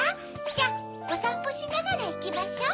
じゃあおさんぽしながらいきましょう。